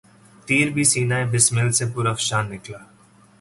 تیر بھی سینہٴ بسمل سے پرافشاں نکلا